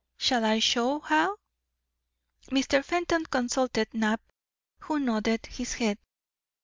Shall I show how?" Mr. Fenton consulted Knapp, who nodded his head.